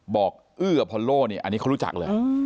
บอกอื้ออพอลโลอันนี้เขารู้จักเลยนะครับ